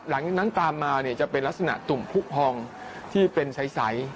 หลังจากนั้นตามมาเนี่ยจะเป็นลักษณะตุ่มผู้พองที่เป็นใส